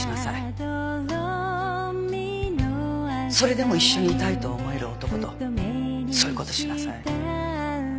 それでも一緒にいたいと思える男とそういう事しなさい。